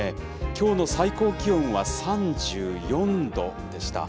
きょうの最高気温は３４度でした。